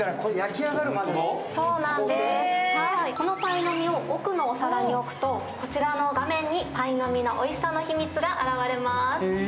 このパイの実を奥のお皿に置くと、こちらの画面にパイの実のおいしさの秘密が現れます。